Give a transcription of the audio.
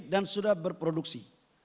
dan sudah berproduksi